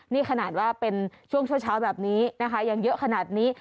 นี่ขนาดว่าเป็นช่วงเช้าแบบนี้นะคะยังเยอะขนาดนี้